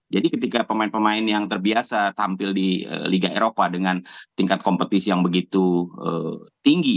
jadi ketika pemain pemain yang terbiasa tampil di liga eropa dengan tingkat kompetisi yang begitu tinggi